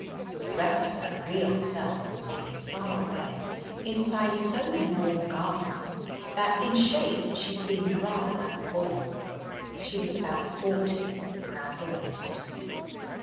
The rest of her real self was hidden far away inside so many warm garments that in shape she seemed rather like a ball. She was about forty round the waist.